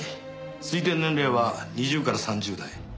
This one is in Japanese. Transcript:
推定年齢は２０から３０代。